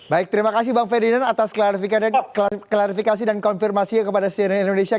baik terima kasih bang ferdinand atas klarifikasi dan konfirmasinya kepada cnn indonesia